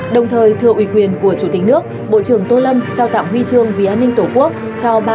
đồng thời thưa ủy quyền của chủ tịch nước bộ trưởng tô lâm trao tạm huy trường vì an ninh tổ quốc cho ba cá nhân